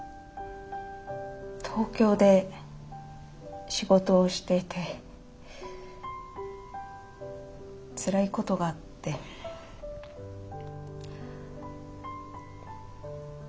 東京で仕事をしていてつらいことがあって怖くなりました。